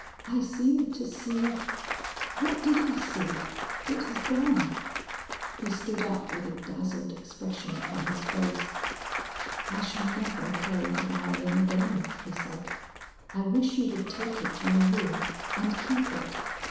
I seemed to see . What did I see? It has gone." He stood up with a dazzled expression upon his face. "I shall never play the violin again," he said. "I wish you would take it to your room and keep it